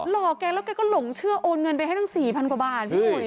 เหล่าแกแล้วก็หลงเชื่อโอนเงินไปให้ทั้ง๔๐๐๐กว่าบาท